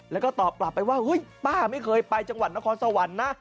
แล้วก็ตอบกลับไปว่าเฮ้ยป้าไม่เคยไปจังหวัดนครสวรรค์นะ